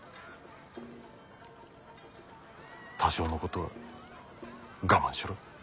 多少のことは我慢しろ。